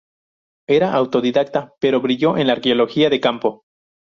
Era autodidacta, pero brilló en la Arqueología de campo.